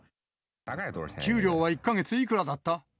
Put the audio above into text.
給料は１か月いくらだった？